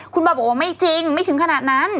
คุณบอยบอกว่าไม่จริงไม่ถึงขนาดนั้น